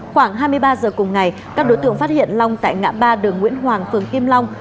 khoảng hai mươi ba giờ cùng ngày các đối tượng phát hiện long tại ngã ba đường nguyễn hoàng phường kim long